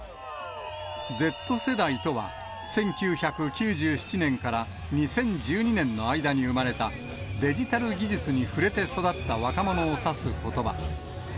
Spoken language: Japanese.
Ｚ世代とは、１９９７年から２０１２年の間に生まれた、デジタル技術に触れて育った若者をさすことば。